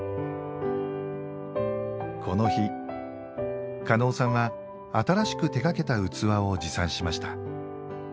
この日叶さんは新しく手掛けた器を持参しました。